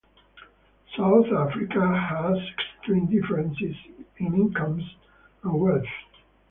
South Africa has extreme differences in incomes and wealth.